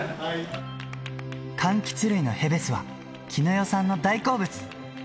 かんきつ類のへべすは絹代さんの大好物。